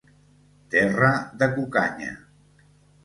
Terra de cucanya.